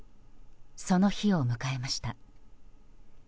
その日を迎えました。